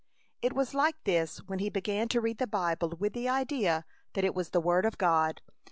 It was like this when he began to read the Bible with the idea that it was the Word of God.